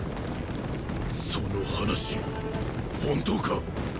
その話本当か？